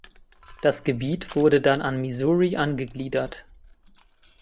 Das Gebiet wurde dann an Missouri angegliedert.